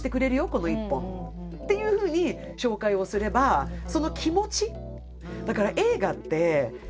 この一本」っていうふうに紹介をすればその気持ち。